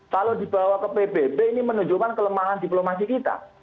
kalau dibawa ke pbb ini menunjukkan kelemahan diplomasi kita